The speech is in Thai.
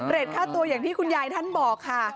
ค่าตัวอย่างที่คุณยายท่านบอกค่ะ